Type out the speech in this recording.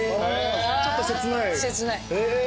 ちょっと切ないへぇ。